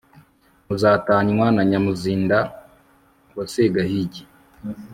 muzatanywa na nyamuzinda wa segahigi